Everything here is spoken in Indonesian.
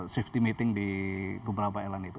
safety meeting di beberapa airline itu